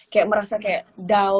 kayak merasa kayak down segala macem